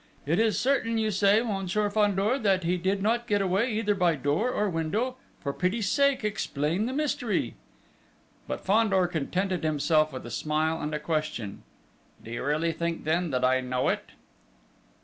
It is certain, you say, Monsieur Fandor, that he did not get away either by door or window for pity's sake explain the mystery!" But Fandor contented himself with a smile and a question. "Do you really think, then, that I know it?..."